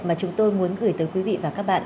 mà chúng tôi muốn gửi tới quý vị và các bạn